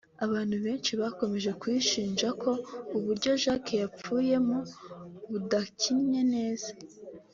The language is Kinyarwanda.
abantu benshi bakomeje kuyishinja ko uburyo Jack yapfuyemo budakinnye neza